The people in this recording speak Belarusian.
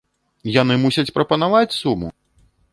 Яны мусяць прапанаваць суму!